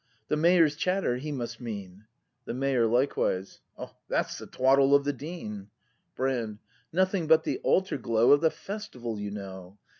] The Mayor's chatter, he must mean! The Mayor. [Likewise.] That's the twaddle of the Dean! Brand. Nothing but the altar glow Of the Festival you know.